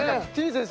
先生